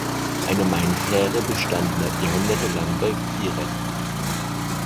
Eine Mainfähre bestand jahrhundertelang bei Viereth.